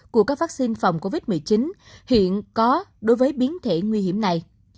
của các vaccine phòng covid một mươi chín hiện có đối với biến thể nguy hiểm này